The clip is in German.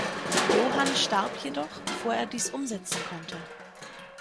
Johann starb jedoch, bevor er dies umsetzen konnte.